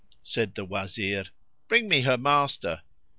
"[FN#8] Said the Wazir, "Bring me her master."